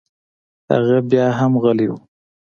هغه بيا هم غلى و.